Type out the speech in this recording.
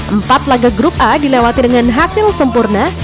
empat laga grup a dilewati dengan hasil sempurna